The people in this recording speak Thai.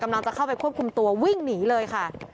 กำลังจะเข้าไปควบคุมตัววิ่งหนีเลยค่ะ